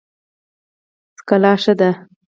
څکلا ښه ده.